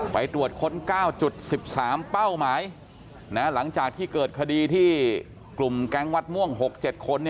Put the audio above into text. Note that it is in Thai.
ไปตรวจค้น๙๑๓เป้าหมายหลังจากที่เกิดคดีที่กลุ่มแก๊งวัดม่วง๖๗คน